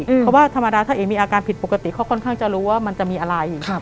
เพราะว่าธรรมดาถ้าเอกมีอาการผิดปกติเขาค่อนข้างจะรู้ว่ามันจะมีอะไรอย่างนี้